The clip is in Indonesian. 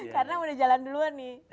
karena udah jalan duluan nih